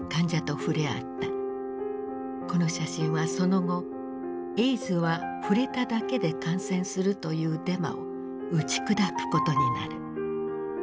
この写真はその後「エイズは触れただけで感染する」というデマを打ち砕くことになる。